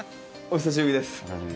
お久しぶりです。